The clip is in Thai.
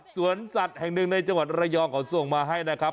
สวนสัตว์แห่งหนึ่งในจังหวัดระยองเขาส่งมาให้นะครับ